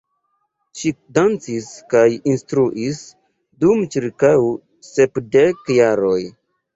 Ŝi dancis kaj instruis dum ĉirkaŭ sepdek jaroj.